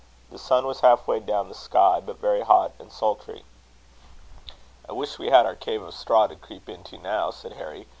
The sun was half way down the sky, but very hot and sultry. "I wish we had our cave of straw to creep into now," said Harry.